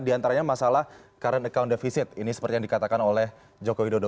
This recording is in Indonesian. di antaranya masalah current account deficit ini seperti yang dikatakan oleh joko widodo